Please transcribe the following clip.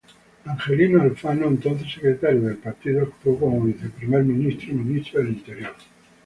Angelino Alfano, entonces secretario del partido, actuó como Viceprimer Ministro y Ministro del Interior.